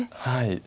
はい。